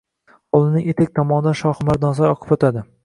Hovlining etak tomonidan Shohimardonsoy oqib o’tadi.